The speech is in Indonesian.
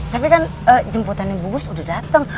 tapi kan jemputannya bu bos udah datang